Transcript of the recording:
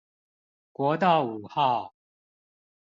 國道五號